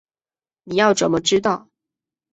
你要怎么知道